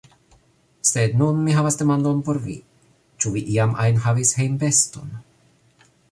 Sed nun mi havas demandon por vi, Ĉu vi, iam ajn, havis hejmbeston?